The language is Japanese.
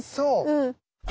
うん。